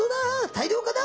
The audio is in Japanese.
大漁かな？